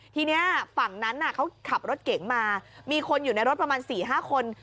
ทีนี้ฝั่งนั้นเขาขับรถเก๋งมามีคนอยู่ในรถประมาณ๔๕คน